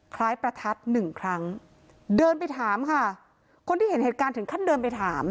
คล้ายประทัดหนึ่งครั้งเดินไปถามค่ะคนที่เห็นเหตุการณ์ถึงขั้นเดินไปถาม